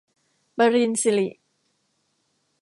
ปริญสิริ